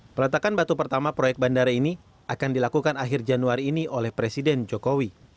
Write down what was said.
peletakan batu pertama proyek bandara ini akan dilakukan akhir januari ini oleh presiden jokowi